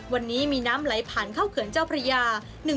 วันนี้มีน้ำไหลผ่านเข้าเขื่อนเจ้าพระยา